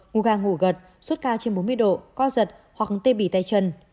ngu ga ngủ gật sốt cao trên bốn mươi độ co giật hoặc tê bì tay chân